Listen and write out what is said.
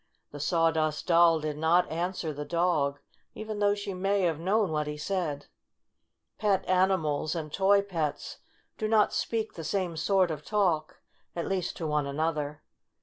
The Sawdust Doll did not answer the dog, even though she may have known what he said. Pet animals and toy pets do not speak the same sort of talk, at least to one another.